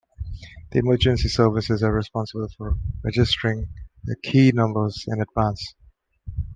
The emergency services are responsible for registering their key numbers in advance.